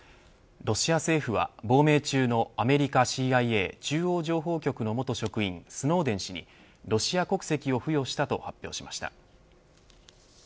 ロシア選手は亡命中のアメリカＣＩＡ中央情報局の元職員スノーデン氏にロシア国籍を付与したと発表しました。